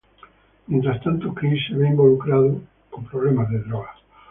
Mientras tanto, Chris se ve involucrado con problemas de drogas.